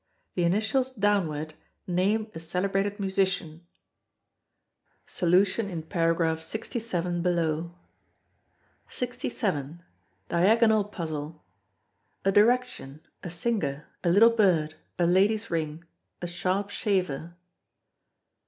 The initials downward name a celebrated musician. (solution in p.67 below.) 67. Diagonal Puzzle. A direction, a singer, a little bird, a lady's ring, a sharp shaver.